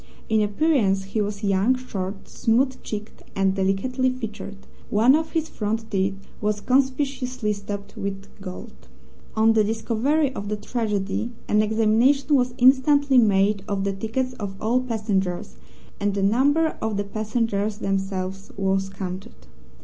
In appearance he was young, short, smooth cheeked, and delicately featured. One of his front teeth was conspicuously stopped with gold. On the discovery of the tragedy an examination was instantly made of the tickets of all passengers, and the number of the passengers themselves was counted.